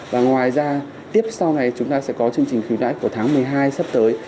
và ngoài ra tiếp sau này chúng ta sẽ có chương trình khuyến tháng một mươi hai sắp tới